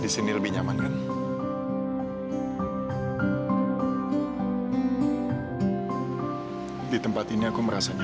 sampai jumpa di video selanjutnya